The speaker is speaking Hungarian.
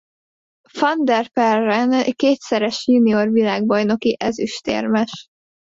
Van der Perren kétszeres junior világbajnoki ezüstérmes.